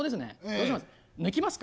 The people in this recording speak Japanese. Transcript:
どうします？